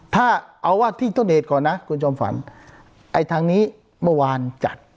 ถ้าเอาว่าที่ต้นเหตุก่อนนะคุณจอมฝันไอ้ทางนี้เมื่อวานจัด